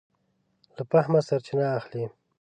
له فهمه سرچینه اخلي.